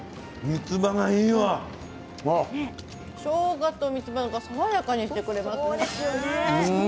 しょうがとみつばが爽やかにしてくれますね。